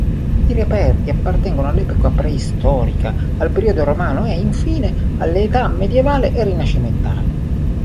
I reperti appartengono all'epoca preistorica, al periodo romano e, infine, all'età medievale e rinascimentale.